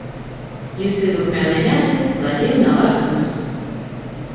Лісты духмянай мяты кладзём на ваш густ.